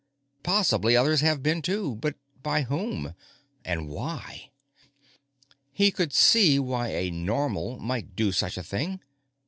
Possibly others have been, too. But by whom? And why?_ He could see why a Normal might do such a thing.